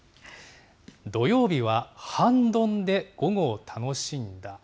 土曜日は半ドンで午後を楽しんだ。